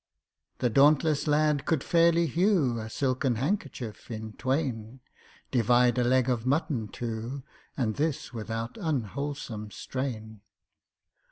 The dauntless lad could fairly hew A silken handkerchief in twain, Divide a leg of mutton too— And this without unwholesome strain.